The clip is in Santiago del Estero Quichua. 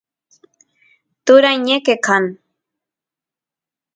turay ñeqe kan